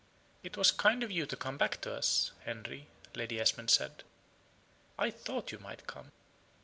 "It was kind of you to come back to us, Henry," Lady Esmond said. "I thought you might come."